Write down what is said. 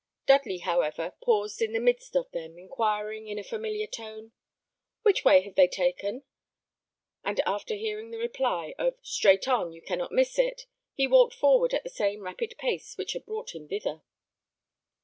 Dudley, however, paused in the midst of them, inquiring, in a familiar tone, "Which way have they taken?" and after hearing the reply of "Straight on; you cannot miss it," he walked forward at the same rapid pace which had brought him thither.